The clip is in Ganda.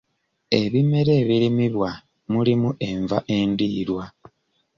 Ebimera ebirimibwa mulimu enva endiirwa.